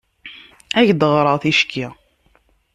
Ad ak-d-ɣreɣ ticki.